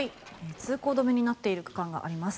通行止めになっている区間があります。